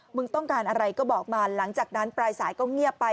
มึงต้องการอะไรก็บอกมาหลังจากนั้นปลายสายก็เงียบไป